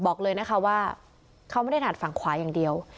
บอกเลยนะคะว่าเขาไม่ได้ถัดฝั่งขวาอย่างเดียว